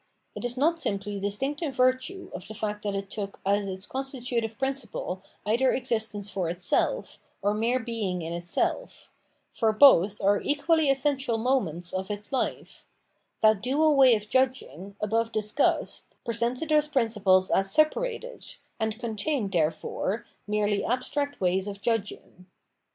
It is not simply distinct in virtue of the fact that it took as its constitutive principle either existence for itself, or mere being in itself ; for both are equally essential moments of its life : that dual way of judging, above discussed, presented those principles as separated, and contained, therefore, merely abstract ways of judging.